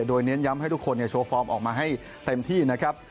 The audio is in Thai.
โดยเน้นย้ำให้ทุกคนโชว์ฟอร์มออกมาให้เต็มที่นะครับ